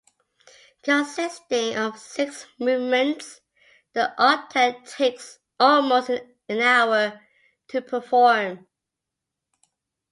Consisting of six movements, the Octet takes almost an hour to perform.